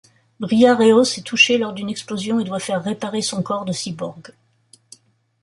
Briareos est touché lors d'une explosion et doit faire réparer son corps de cyborg.